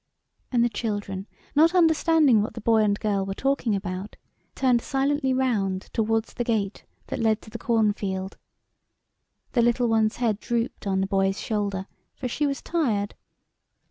And the children, not understanding what the boy and girl were talking about, turned silently round towards the gate that led to the cornfield. The little one's head drooped on the boy's shoulder, for she was tired.